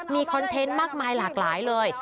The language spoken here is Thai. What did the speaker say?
มีคอนเทนต์มากมายหลากหลายเลย